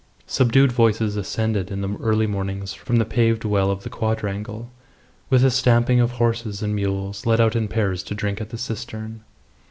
Subdued voices ascended in the early mornings from the paved well of the quadrangle, with the stamping of horses and mules led out in pairs to drink at the cistern.